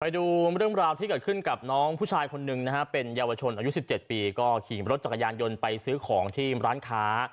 ไปดูเรื่องราวที่เกิดขึ้นกับน้องผู้ชายคนหนึ่งนะฮะเป็นเยาวชนอายุ๑๗ปีก็ขี่รถจักรยานยนต์ไปซื้อของที่ร้านค้า